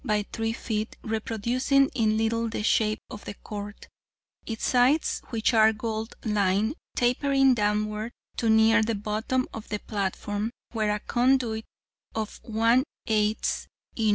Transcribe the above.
by 3 ft, reproducing in little the shape of the court, its sides, which are gold lined, tapering downward to near the bottom of the platform, where a conduit of 1/8 in.